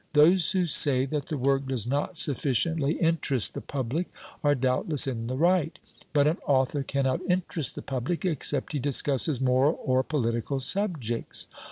Those who say that the work does not sufficiently interest the public, are doubtless in the right; but an author cannot interest the public except he discusses moral or political subjects.